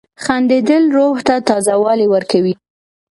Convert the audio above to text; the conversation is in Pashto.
• خندېدل روح ته تازه والی ورکوي.